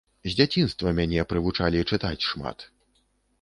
З дзяцінства мяне прывучалі чытаць шмат.